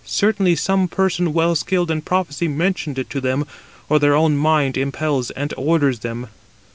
Certainly some person well skilled in prophecy mentioned it to them, or their own mind impels and orders them."